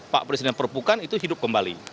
pak presiden perpukan itu hidup kembali